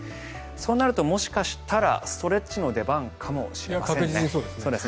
そうなると、もしかしたらストレッチの出番かもしれません。